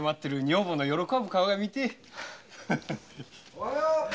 おはよう。